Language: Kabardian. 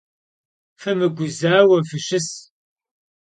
Fımıguzaue, fışıs!